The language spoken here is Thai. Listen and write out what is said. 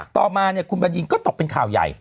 ต่อมาเนี่ยคุณบัญญินก็ตกเป็นข่าวใหญ่